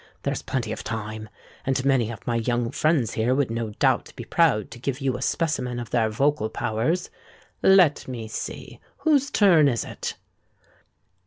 There is plenty of time; and many of my young friends here would no doubt be proud to give you a specimen of their vocal powers. Let me see—who's turn is it?"